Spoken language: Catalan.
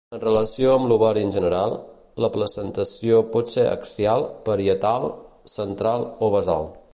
En relació amb l'ovari en general, la placentació pot ser axial, parietal, central o basal.